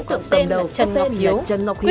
đối tượng cầm đầu là trần ngọc hiếu